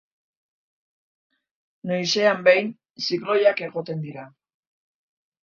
Noizean behin, zikloiak egoten dira.